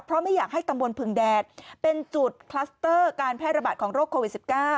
เพราะไม่อยากให้ตำบลพึงแดดเป็นจุดคลัสเตอร์การแพร่ระบาดของโรคโควิด๑๙